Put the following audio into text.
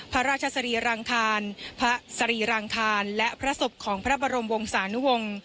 พระราชสรีรังคารพระสรีรางคารและพระศพของพระบรมวงศานุวงศ์